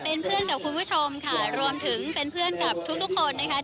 เป็นเพื่อนกับคุณผู้ชมค่ะรวมถึงเป็นเพื่อนกับทุกทุกคนนะคะ